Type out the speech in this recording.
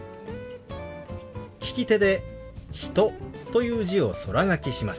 利き手で「人」という字を空書きします。